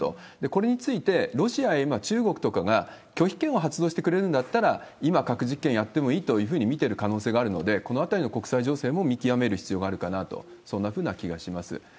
これについて、ロシアは今、中国とかが拒否権を発動してくれるんだったら、今、核実験やってもいいというふうに見てる可能性があるので、このあたりの国際情勢も見極める必要があるかなと、そんなふうな気がします。